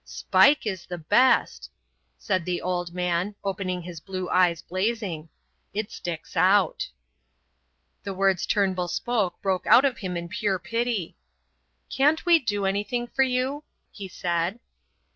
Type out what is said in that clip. "Spike is the best," said the old man, opening his blue eyes blazing; "it sticks out." The words Turnbull spoke broke out of him in pure pity. "Can't we do anything for you?" he said.